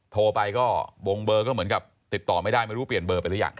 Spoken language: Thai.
โทรไปก็บงเบอร์ก็เหมือนกับติดต่อไม่ได้ไม่รู้เปลี่ยนเบอร์ไปหรือยัง